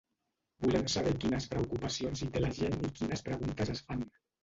Volem saber quines preocupacions i té la gent i quines preguntes es fan.